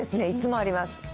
いつもあります。